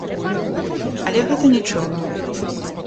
Але гэта нiчога...